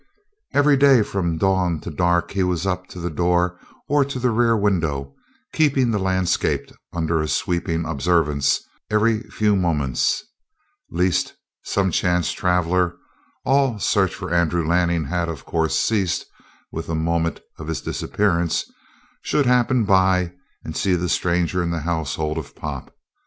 Every day from dawn to dark he was up to the door or to the rear window, keeping the landscape under a sweeping observance every few moments, lest some chance traveler all search for Andrew Lanning had, of course, ceased with the moment of his disappearance should happen by and see the stranger in the household of Pop.